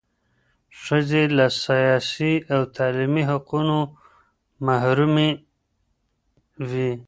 ښځې له سیاسي او تعلیمي حقوقو محرومې وې.